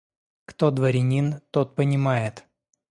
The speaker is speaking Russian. Кто дворянин, тот понимает.